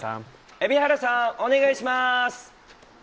蛯原さん、お願いしまーす。